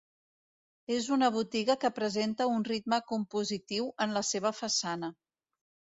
És una botiga que presenta un ritme compositiu en la seva façana.